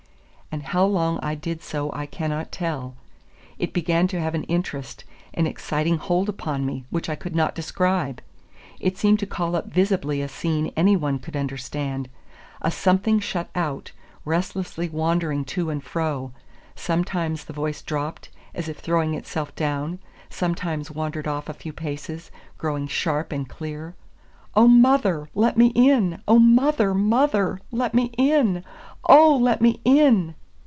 And how long I did so I cannot tell. It began to have an interest, an exciting hold upon me, which I could not describe. It seemed to call up visibly a scene any one could understand, a something shut out, restlessly wandering to and fro; sometimes the voice dropped, as if throwing itself down, sometimes wandered off a few paces, growing sharp and clear. "Oh, mother, let me in! oh, mother, mother, let me in! oh, let me in!"